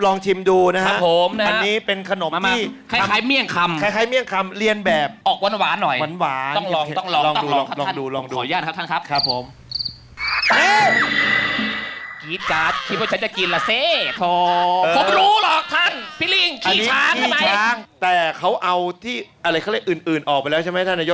อ๋อออกไปแล้วใช่ไหมท่าน